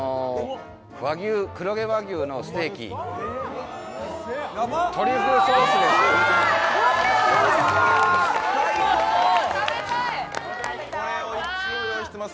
黒毛和牛のステーキトリュフソースです。